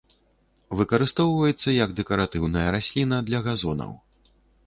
Выкарыстоўваецца як дэкаратыўная расліна для газонаў.